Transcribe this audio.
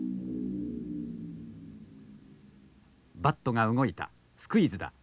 バットが動いたスクイズだ。